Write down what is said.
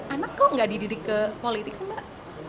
anak kok nggak dididik ke politik sih mbak